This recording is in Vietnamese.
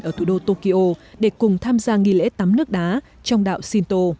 ở thủ đô tokyo để cùng tham gia nghi lễ tắm nước đá trong đạo shinto